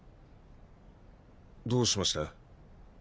どうしました？